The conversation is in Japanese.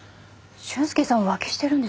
俊介さん浮気してるんですか？